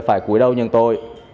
phải cúi đầu nhận tội